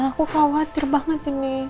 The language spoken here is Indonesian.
aku khawatir banget ini